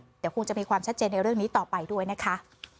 เดี๋ยวคงจะมีความชัดเจนในเรื่องนี้ต่อไปด้วยนะคะ